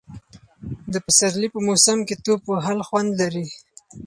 د پسرلي په موسم کې ټوپ وهل خوند لري.